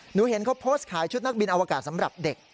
เห็นเขาโพสต์ขายชุดนักบินอวกาศสำหรับเด็ก